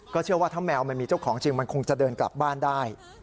เชื่อว่าถ้าแมวมันมีเจ้าของจริงมันคงจะเดินกลับบ้านได้